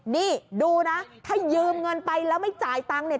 นี่ดูนะถ้ายืมเงินไปแล้วไม่จ่ายตังค์เนี่ย